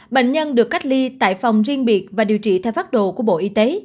bệnh nhân được cách ly tại phòng riêng biệt và điều trị theo phát đồ của bộ y tế